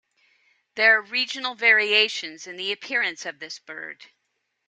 There are regional variations in the appearance of this bird.